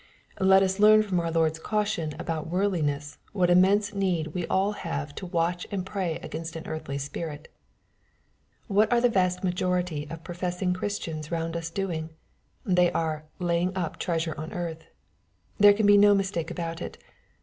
Let us learn from our Lord's caution about worldliness what immense need we all have to watch and pray against an earthly spirit. What are the vast majority of profess ing Christians round us doing ? They are " laying up treasure on earth." There can be no mistake about it.